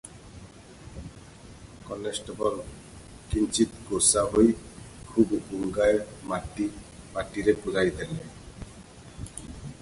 Constable - କିଞ୍ଚିତ୍ ଗୋସା ହୋଇ ଖୁବ୍ ବୁଙ୍ଗାଏ ମାଟି ପାଟିରେ ପୂରାଇ ଦେଲେ ।